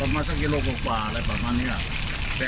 เวลาทรัพยามันเป็นอย่างไรมั้ย